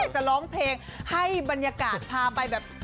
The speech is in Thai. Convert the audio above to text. จะร้องเพลงให้บรรยากาศพาไปแบบ